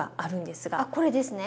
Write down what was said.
あっこれですね。